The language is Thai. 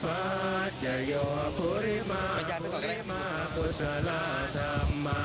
ก็หัวใจจอกมะน้ำชี่จันทรากรธรรม